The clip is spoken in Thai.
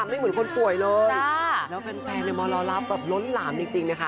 ไม่เหมือนคนป่วยเลยจ้าแล้วแฟนแฟนในมรรลาบแบบล้นหลามจริงจริงนะคะ